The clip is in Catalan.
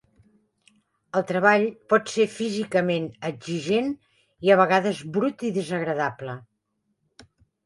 El treball pot ser físicament exigent i a vegades brut i desagradable.